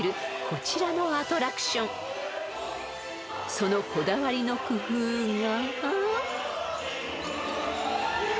［そのこだわりの工夫が］